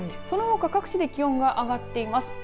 そのあと各地で気温が上がってます。